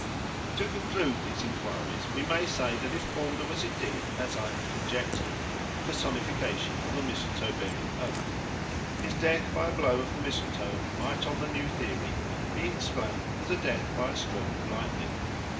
To conclude these enquiries we may say that if Balder was indeed, as I have conjectured, a personification of a mistletoe bearing oak, his death by a blow of the mistletoe might on the new theory be explained as a death by a stroke of lightning.